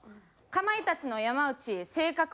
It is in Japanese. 「かまいたちの山内性格